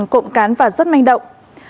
cộng cán và rất manh động